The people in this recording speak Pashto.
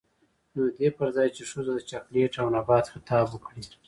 نـو د دې پـر ځـاى چـې ښـځـو تـه د چـاکـليـت او نـبـات خـطاب وکـړي.